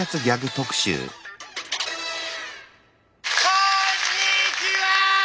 「こんにちは！！」。